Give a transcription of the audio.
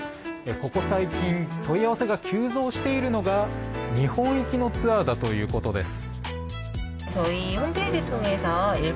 ここ最近、問い合わせが急増しているのが日本行きのツアーだということです。